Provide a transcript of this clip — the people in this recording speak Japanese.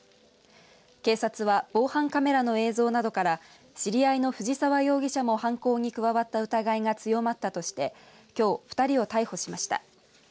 警察は防犯カメラの映像などから知り合いの藤澤容疑者も犯行に加わった疑いが強まったとしてきょう、２人を逮捕しました。